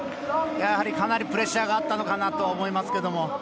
やはり、かなりプレッシャーがあったのかなと思いますけども。